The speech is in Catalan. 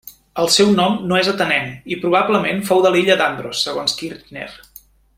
El seu nom no és atenenc, i probablement fou de l'illa d'Andros, segons Kirchner.